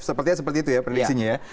sepertinya seperti itu ya prediksinya ya